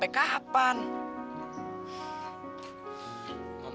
aku mau berbual